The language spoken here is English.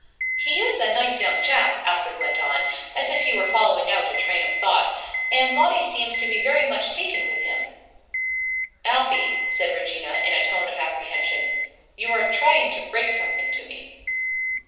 "He is a nice young chap," Alfred went on, as if he were following out a train of thought; "and Maudie seems to be very much taken with him—" [Pg 114]"Alfie," said Regina in a tone of apprehension, "you are trying to break something to me."